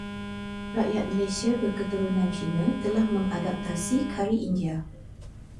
Rakyat Malaysia berketurunan Cina telah mengadaptasi Kari India.